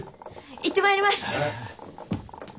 行ってまいります。